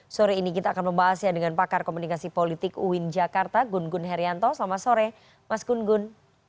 sore ini kita akan membahasnya dengan pakar komunikasi politik uin jakarta gun gun herianto selamat sore mas gun gun